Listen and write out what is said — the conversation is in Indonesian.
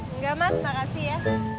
nggak mas makasih ya